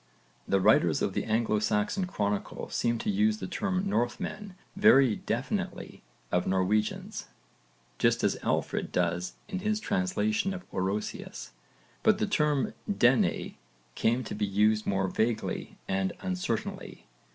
The writers of the Anglo Saxon Chronicle seem to use the term Norðmenn very definitely of Norwegians, just as Alfred does in his translation of Orosius, but the term Dene came to be used more vaguely and uncertainly.